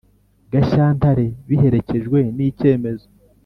Gashyantare biherekejwe n icyemezo